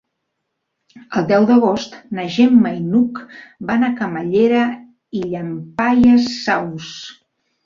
El deu d'agost na Gemma i n'Hug van a Camallera i Llampaies Saus.